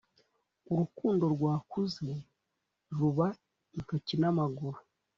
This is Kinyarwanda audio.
urukundo rwakuze ruba intoki n'amaguru